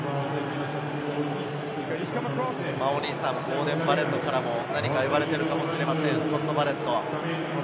お兄さんのボーデン・バレットからも何か言われているかもしれません、スコット・バレット。